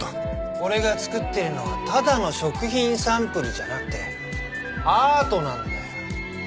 俺が作ってるのはただの食品サンプルじゃなくてアートなんだよ。